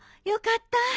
よかった。